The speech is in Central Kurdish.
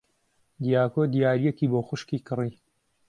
دیاکۆ دیارییەکی بۆ خوشکی کڕی.